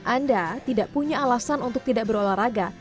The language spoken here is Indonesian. anda tidak punya alasan untuk tidak berolahraga